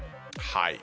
はい。